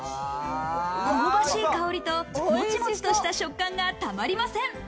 香ばしい香りとモチモチとした食感がたまりません。